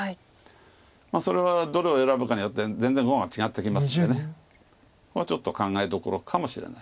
それはどれを選ぶかによって全然碁が違ってきますんでここはちょっと考えどころかもしれない。